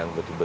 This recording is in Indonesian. ini untuk apa